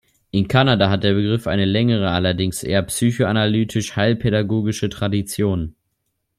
In Kanada hat der Begriff eine längere, allerdings eher psychoanalytisch-heilpädagogische Tradition.